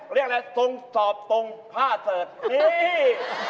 เรียกอะไรทรงสอบตรงผ้าเสิร์ชนี่